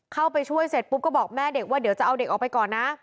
เข้าไปช่วยเสร็จปุ๊บก็บอกแม่เด็กว่าเดี๋ยวจะเอาเด็กออกไปก่อนนะ